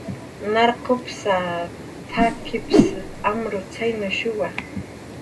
"Narqupsa, t""akips amrutzaynushuwa"